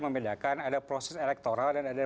membedakan ada proses elektoral dan ada